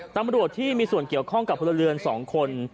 ตำรวจที่มีส่วนเกี่ยวข้องกับพลเรือน๒คน